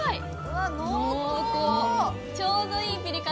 ちょうどいいピリ辛。